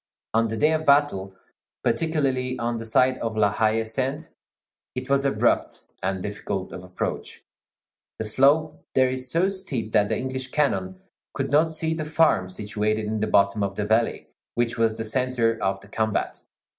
On the day of battle, particularly on the side of La Haie Sainte, it was abrupt and difficult of approach. The slope there is so steep that the English cannon could not see the farm, situated in the bottom of the valley, which was the centre of the combat.